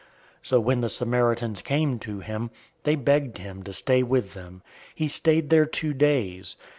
004:040 So when the Samaritans came to him, they begged him to stay with them. He stayed there two days.